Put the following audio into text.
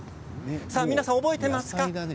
皆さん、覚えていますか？